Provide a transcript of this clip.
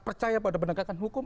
percaya pada pendekatan hukum